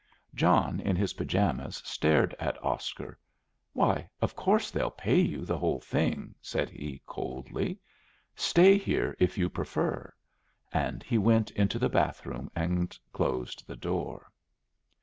John in his pyjamas stared at Oscar. "Why, of course they'll pay you the whole thing," said he, coldly; "stay here if you prefer." And he went into the bathroom and closed the door.